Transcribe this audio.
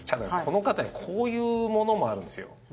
こういうものもあるんですよ。